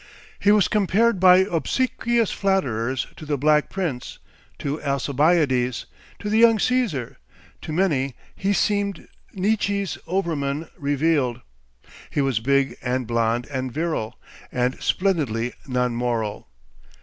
He was compared by obsequious flatterers to the Black Prince, to Alcibiades, to the young Caesar. To many he seemed Nietzsche's Overman revealed. He was big and blond and virile, and splendidly non moral.